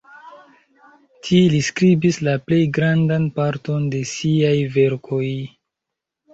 Ti li skribis la plej grandan parton de siaj verkoj.